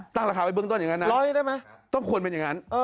ตั้งราคาไปเบื้องต้นอย่างงานนาน๑๐๐ได้ไหมต้องควรเป็นอย่างงั้น